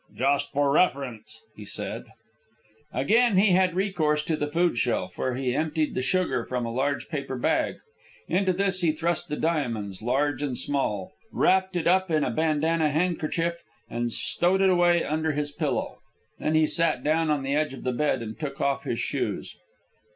"Just for reference," he said. Again he had recourse to the food shelf, where he emptied the sugar from a large paper bag. Into this he thrust the diamonds, large and small, wrapped it up in a bandanna handkerchief, and stowed it away under his pillow. Then he sat down on the edge of the bed and took off his shoes.